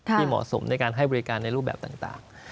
เหมาะสมในการให้บริการในรูปแบบต่าง